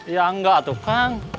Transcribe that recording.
ya enggak tukang